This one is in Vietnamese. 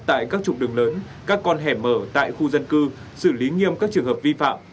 tại các trục đường lớn các con hẻm mở tại khu dân cư xử lý nghiêm các trường hợp vi phạm